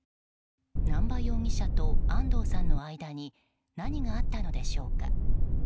南波容疑者と安藤さんの間に何があったのでしょうか。